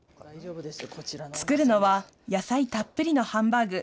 作るのは、野菜たっぷりのハンバーグ。